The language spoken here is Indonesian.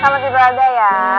selamat tidur ada ya